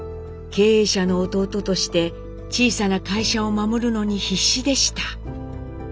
経営者の弟として小さな会社を守るのに必死でした。